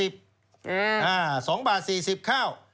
๒บาท๔๐บาทข้าว